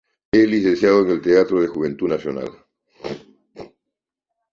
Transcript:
Es licenciado en el Teatro de Juventud Nacional.